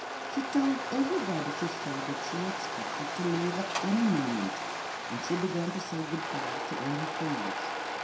She told everybody she saw that she expected to leave at any moment. And she began to say good by to all her friends.